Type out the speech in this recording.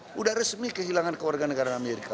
sudah resmi kehilangan kewarganegaraan amerika